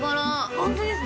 本当ですね。